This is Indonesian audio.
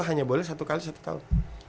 hanya boleh satu kali satu tahun